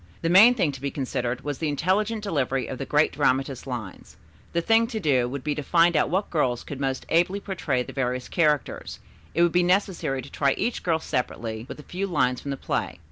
The main thing to be considered was the intelligent delivery of the great dramatist's lines. The thing to do would be to find out what girls could most ably portray the various characters, it would be necessary to try each girl separately with a few lines from the play.